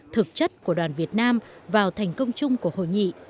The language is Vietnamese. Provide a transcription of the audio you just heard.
thực chất của đoàn việt nam vào thành công chung của hội nghị